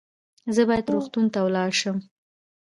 زه باید روغتون ته ولاړ سم